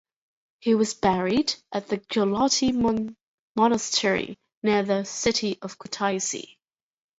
He was buried at the Gelati Monastery near the city of Kutaisi.